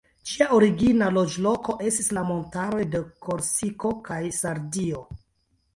Ĝia origina loĝloko estis la montaroj de Korsiko kaj Sardio.